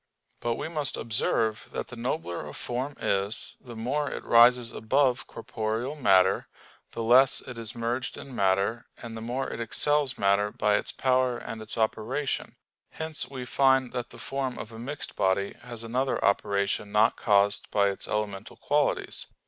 But we must observe that the nobler a form is, the more it rises above corporeal matter, the less it is merged in matter, and the more it excels matter by its power and its operation; hence we find that the form of a mixed body has another operation not caused by its elemental qualities.